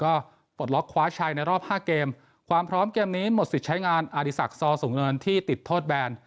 ก็ปลดล็อกคว้าชัยในรอบห้าเกมความพร้อมเกมนี้หมดสิทธิ์ใช้งานอดีศักดิ์ซอสูงเนินที่ติดโทษแบน